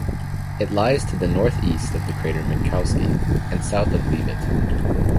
It lies to the northeast of the crater Minkowski, and south of Leavitt.